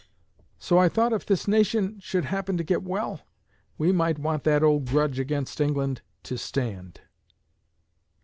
So I thought if this nation should happen to get well, we might want that old grudge against England to stand."